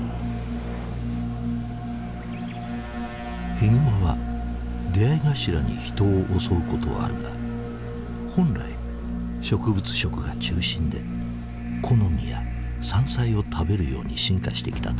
ヒグマは出会い頭に人を襲うことはあるが本来植物食が中心で木の実や山菜を食べるように進化してきた動物だ。